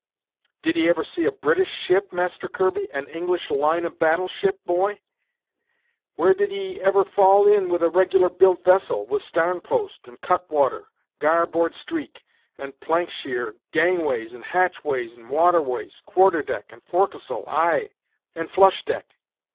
"Did'ee ever see a British ship, Master Kirby? an English line of battle ship, boy? Where did'ee ever fall in with a regular built vessel, with starn post and cutwater, gar board streak and plank shear, gangways, and hatchways, and waterways, quarter deck, and forecastle, ay, and flush deck?